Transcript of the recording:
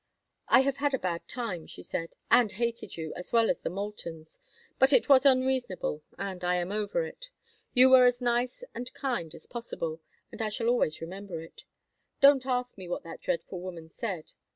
"I have had a bad time," she said, "and hated you, as well as the Moultons, but it was unreasonable and I am over it. You were as nice and kind as possible, and I shall always remember it. Don't ask me what that dreadful woman said.